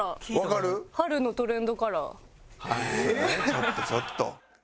ちょっとちょっと。